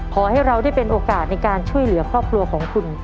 ขอให้เราได้เป็นโอกาสในการช่วยเหลือครอบครัวของคุณ